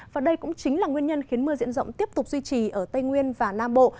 và đây cũng chính là nguyên nhân khiến mưa diện rộng tiếp tục duy trì ở tây nguyên và nam bộ